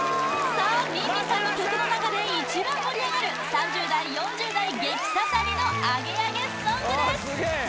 さあＭＩＮＭＩさんの曲の中で一番盛り上がる３０代４０代激刺さりのアゲアゲソングです